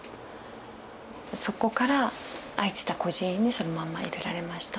そこから空いてた孤児院にそのまま入れられました。